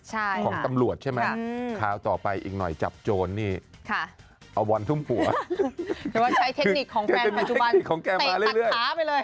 แต่ตัดขาไปเลยให้เรียบร้อย